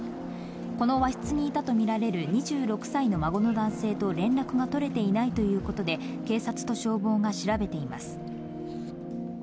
この和室にいたと見られる２６歳の孫の男性と連絡が取れていないということで、警察と消防が調べています。